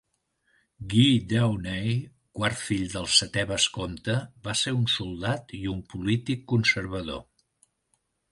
Guy Dawnay, quart fill del setè vescomte, va ser un soldat i un polític conservador.